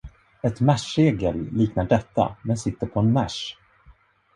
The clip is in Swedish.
Ett märssegel liknar detta, men sitter på en märs.